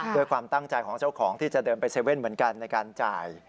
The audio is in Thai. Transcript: ด้วยความตั้งใจของเจ้าของที่จะเดินไป๗๑๑เหมือนกันในการจ่าย